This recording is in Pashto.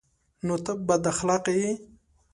_نو ته بد اخلاقه يې؟